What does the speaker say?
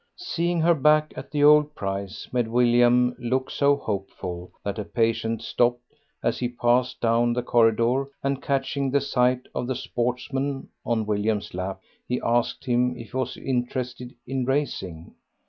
Seeing her back at the old price made William look so hopeful that a patient stopped as he passed down the corridor, and catching sight of the Sportsman on William's lap, he asked him if he was interested in racing.